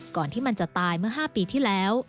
ก่อนที่มันจะตายเมื่อ๕ปีที่แล้ว